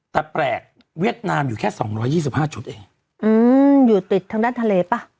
แต่แปลกเวียดนามอยู่แค่๒๒๕จุดเองอืมอยู่ติดทางด้านทะเลป่ะ